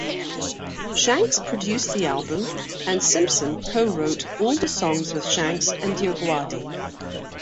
Shanks produced the album, and Simpson co-wrote all the songs with Shanks and DioGuardi.